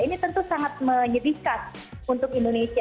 ini tentu sangat menyedihkan untuk indonesia